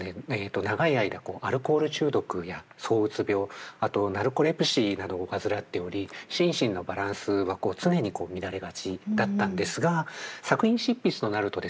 長い間アルコール中毒やそううつ病あとナルコレプシーなどを患っており心身のバランスは常に乱れがちだったんですが作品執筆となるとですね